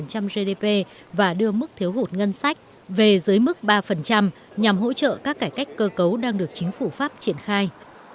chính phủ pháp sẽ đưa mức thâm hụt ngân sách về dưới mức ba nhằm hỗ trợ các cải cách cơ cấu đang được chính phủ pháp triển khai